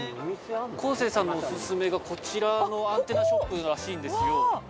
昴生さんのオススメがこちらのアンテナショップらしいんですよ